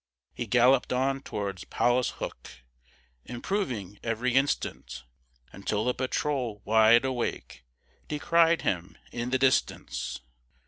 He gallop'd on towards Paulus Hook, Improving every instant Until a patrol, wide awake, Descried him in the distance.